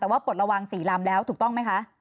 แต่ว่าปลดระวัง๔ลำแล้วถูกต้องไหมคะ